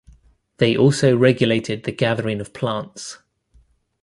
They also regulated the gathering of plants.